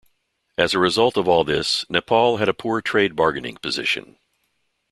As a result of all this, Nepal had a poor trade bargaining position.